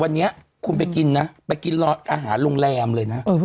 วันนี้คุณไปกินนะไปกินอาหารโรงแรมเลยนะ